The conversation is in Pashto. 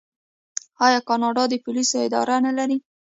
آیا کاناډا د پولیسو اداره نلري؟